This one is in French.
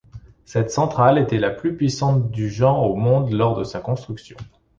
Cette centrale était la plus puissante du genre au monde lors de sa construction.